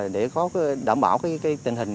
để đảm bảo tình hình